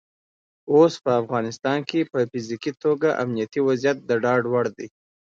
اوس په افغانستان کې په فزیکي توګه امنیتي وضعیت د ډاډ وړ دی.